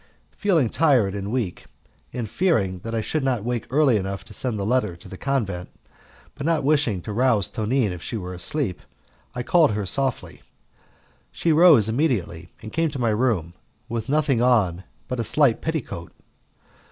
Feeling tired and weak, and fearing that I should not wake early enough to send the letter to the convent, but not wishing to rouse Tonine if she were asleep, I called her softly. She rose immediately and came into my room with nothing on but a slight petticoat.